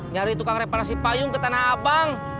nyari tukang reparasi payung ke tanah abang